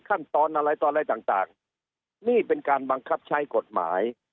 ขั้นตอนอะไรต่ออะไรต่างนี่เป็นการบังคับใช้กฎหมาย